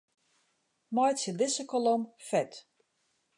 Meitsje dizze kolom fet.